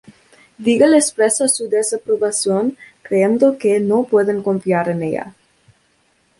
Diggle expresa su desaprobación, creyendo que no pueden confiar en ella.